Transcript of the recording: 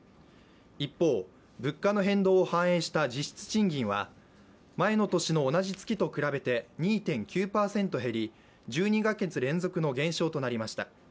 一方、物価の変動を反映した実質賃金は前の年の同じ月と比べて２．９％減り１２か月連続の減少となりました。